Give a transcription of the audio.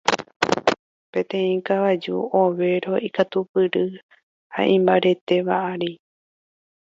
Peteĩ kavaju ovéro ikatupyry ha imbaretéva ári.